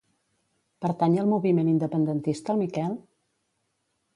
Pertany al moviment independentista el Miquel?